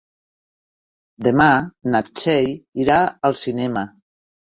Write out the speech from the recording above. Demà na Txell irà al cinema.